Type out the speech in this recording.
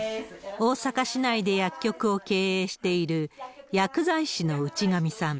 大阪市内で薬局を経営している薬剤師の打上さん。